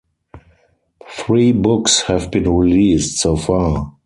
Three books have been released so far.